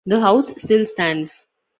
The house still stands.